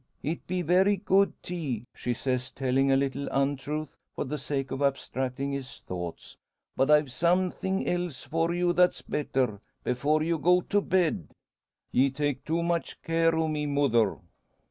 "It be very good tea," she says, telling a little untruth for the sake of abstracting his thoughts. "But I've something else for you that's better before you go to bed." "Ye take too much care o' me, mother."